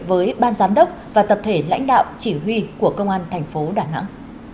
với ban giám đốc và tập thể lãnh đạo chỉ huy của công an tp đà nẵng